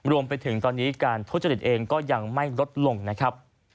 รวมไปถึงตอนนี้การทุจริตเองก็ยังไม่ลดลงนะครับ